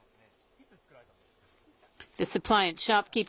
いつ作られたんですか？